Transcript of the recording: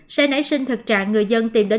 sẽ nảy sinh thực trạng người dân tìm đến